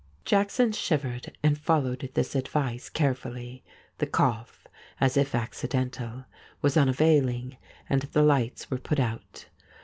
Jackson shivered, and followed this advice carefully. The cough (as if accidental) was unavailing, and the lights were put out.